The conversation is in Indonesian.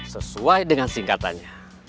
sesuai dengan singkatannya